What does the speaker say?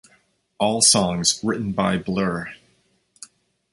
All songs written by Blur.